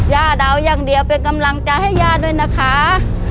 เดาอย่างเดียวเป็นกำลังใจให้ย่าด้วยนะคะ